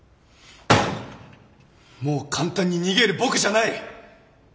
もう簡単に逃げる僕じゃない。